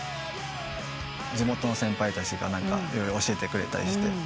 地元の先輩たちが色々教えてくれたりして。